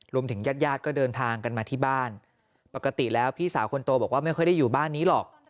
ญาติญาติก็เดินทางกันมาที่บ้านปกติแล้วพี่สาวคนโตบอกว่าไม่ค่อยได้อยู่บ้านนี้หรอก